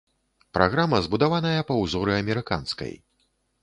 Праграма збудаваная па ўзоры амерыканскай.